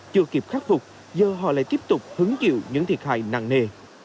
chưa kịp khắc phục giờ họ lại tiếp tục hứng chịu những thiệt hại nặng nề